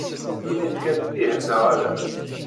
Ini-d kan ih neɣ ala.